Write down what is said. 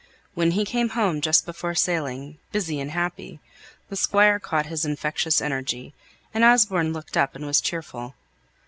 When he came home just before sailing, busy and happy, the Squire caught his infectious energy, and Osborne looked up and was cheerful.